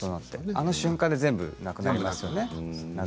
あの瞬間に全部なくなりますよね。